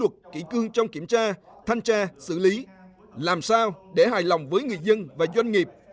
tha thanh tra xử lý làm sao để hài lòng với người dân và doanh nghiệp